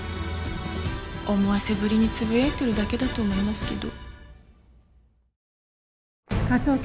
思わせぶりにつぶやいてるだけだと思いますけど。